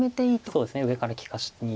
そうですね上から利かしに。